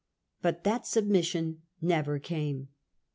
But that submission never came.